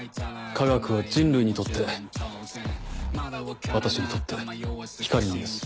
科学は人類にとって私にとって光なんです。